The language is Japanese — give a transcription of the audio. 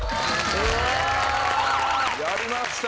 やりました